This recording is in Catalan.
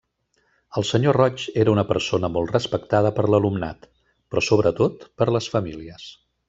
El senyor Roig era una persona molt respectada per l’alumnat, però sobretot per les famílies.